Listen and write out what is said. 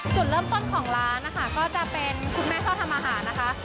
จุดเริ่มต้นของร้านนะคะก็จะเป็นคุณแม่ชอบทำอาหารนะคะ